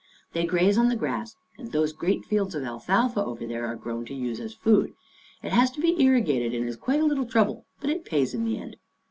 " They graze on the grass, and those great fields of alfalfa over there are grown to use as food. It has to be irrigated and is quite a little trouble, but it pays in the end.